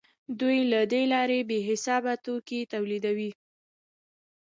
دوی له دې لارې بې حسابه توکي تولیدوي